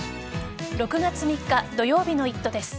６月３日土曜日の「イット！」です。